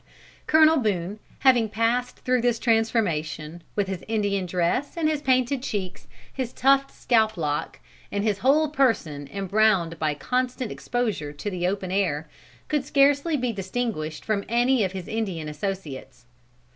Colonel Boone having passed through this transformation, with his Indian dress and his painted cheeks, his tufted scalp lock and his whole person embrowned by constant exposure to the open air, could scarcely be distinguished from any of his Indian associates.